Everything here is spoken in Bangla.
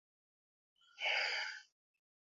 কোথায় যাচ্ছো, মেল?